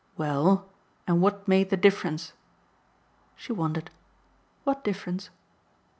"Well, and what made the difference?" She wondered. "What difference?"